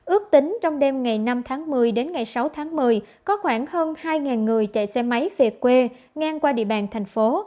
ước tính trong đêm ngày năm tháng một mươi đến ngày sáu tháng một mươi có khoảng hơn hai người chạy xe máy về quê ngang qua địa bàn thành phố